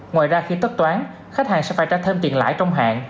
ngoài ra khi tất toán khách hàng sẽ phải trả thêm tiền lãi trong hạn